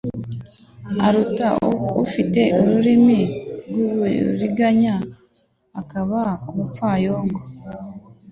aruta ufite ururimi rw’uburiganya akaba n’umupfayongo